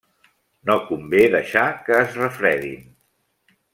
No convé deixar que es refredin.